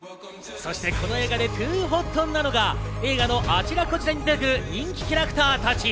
そしてこの映画でＴｏｏｏｏｏｏｏＨＯＴ！なのが映画のあちらこちらに出てくる人気キャラクターたち。